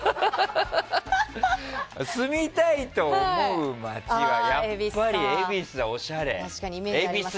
住みたいと思う街はやっぱり恵比寿。